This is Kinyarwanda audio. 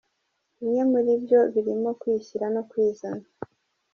Bimwe muri byo birimo kwishyira no kwizana.